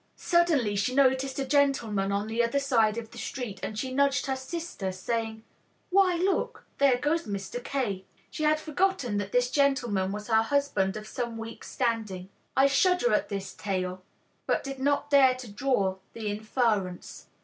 Suddenly she noticed a gentleman on the other side of the street, and she nudged her sister, saying, "Why look, there goes Mr. K." She had forgotten that this gentleman was her husband of some weeks' standing. I shuddered at this tale but did not dare to draw the inference.